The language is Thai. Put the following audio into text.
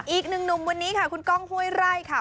อีกหนึ่งหนุ่มวันนี้ค่ะคุณก้องห้วยไร่ค่ะ